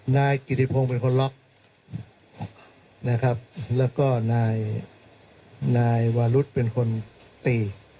นายกิติพงศ์เป็นคนล็อกนะครับแล้วก็นายวารุธเป็นคนตี